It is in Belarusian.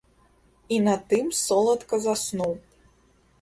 І на тым соладка заснуў.